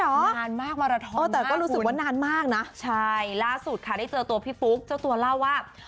นานมากมาราทอนแต่ก็รู้สึกว่านานมากนะใช่ล่าสุดค่ะได้เจอตัวพี่ปุ๊กเจ้าตัวเล่าว่า